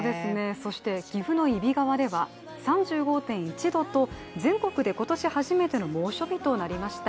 そして岐阜の揖斐川では３５．１度と全国で今年初めての猛暑日となりました。